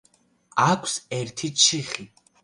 აქვს ერთი ჩიხი.